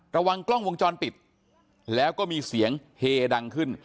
ระวังกล้องวงจรปิดแล้วก็มีเสียงเฮดังขึ้น